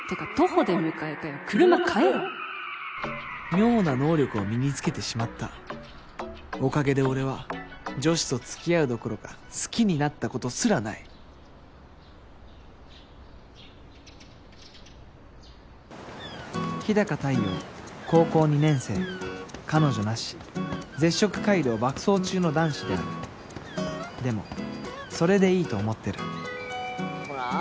妙な能力を身に付けてしまったおかげで俺は女子と付き合うどころか好きになったことすらない日高太陽高校２年生彼女なし絶食街道爆走中の男子であるでもそれでいいと思ってるほら青